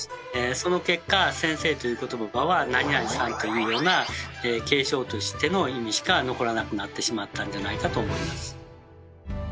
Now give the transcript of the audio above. その結果先生という言葉は「何々さん」というような敬称としての意味しか残らなくなってしまったんじゃないかと思います。